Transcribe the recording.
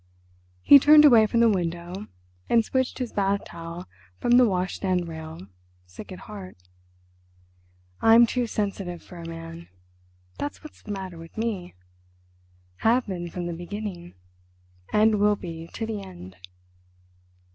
He turned away from the window and switched his bath towel from the washstand rail, sick at heart. "I'm too sensitive for a man—that's what's the matter with me. Have been from the beginning, and will be to the end."